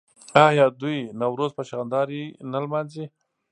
آیا دوی نوروز په شاندارۍ نه لمانځي؟